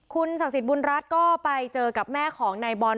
คุณศักดิ์สิทธิบุญรัฐก็ไปเจอกับแม่ของนายบอล